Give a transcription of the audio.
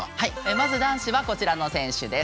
まず男子はこちらの選手ですご覧ください。